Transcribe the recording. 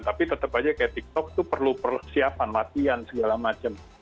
tapi tetap aja kayak tiktok itu perlu persiapan latihan segala macam